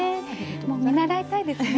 もう見習いたいですね。